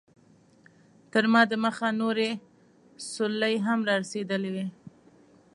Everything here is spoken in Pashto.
تر ما دمخه نورې سورلۍ هم رارسېدلې وې.